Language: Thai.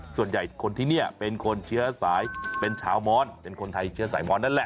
ส่วนใหญ่คนที่นี่เป็นคนเชื้อสายเป็นชาวมอนเป็นคนไทยเชื้อสายมอนนั่นแหละ